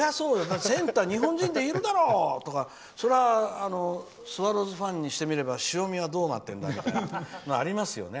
センター日本人でいるだろ！とかスワローズファンにしてみれば塩見はどうなってるんだとかありますよね。